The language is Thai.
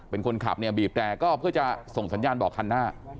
เป็นคนขับเนี่ยบีบแต่ก็เพื่อจะส่งสัญญาณบอกคันหน้า